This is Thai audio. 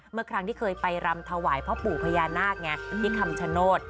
เมื่อครั้งที่เคยไปรำถวายพ่อปู่พญานาคไงที่คำชโนธ